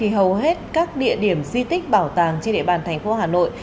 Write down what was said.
hầu hết các địa điểm di tích bảo tàng trên địa bàn thành phố hà nội